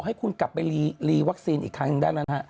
ให้คุณกลับไปรีวัคซีนอีกครั้งด้านนั้น